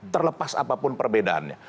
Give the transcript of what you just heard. terlepas apapun perbedaannya